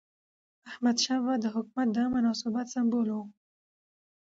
احمدشاه بابا د حکومت د امن او ثبات سمبول و.